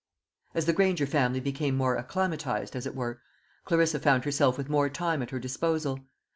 As the Granger family became more acclimatised, as it were, Clarissa found herself with more time at her disposal.